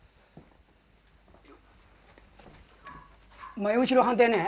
前後ろ反対ねえ？